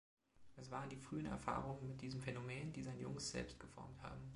Es waren die frühen Erfahrungen mit diesem Phänomen, die sein junges Selbst geformt haben.